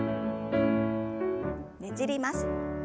ねじります。